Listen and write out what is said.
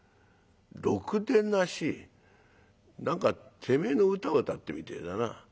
ろくでなし何かてめえの唄を歌ってるみてえだな」。